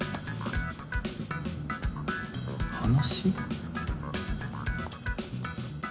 話？